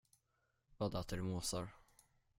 Vad äter måsar?